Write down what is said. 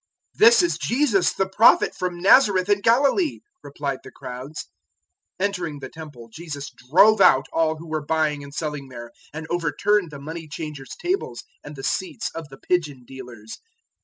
021:011 "This is Jesus, the Prophet, from Nazareth in Galilee," replied the crowds. 021:012 Entering the Temple, Jesus drove out all who were buying and selling there, and overturned the money changers' tables and the seats of the pigeon dealers.